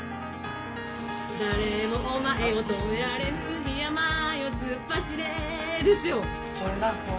「誰もお前を止められぬ桧山よ突っ走れ」ですよ。